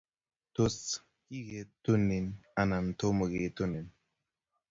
Tos, kigetunin anan Tomo kentunin?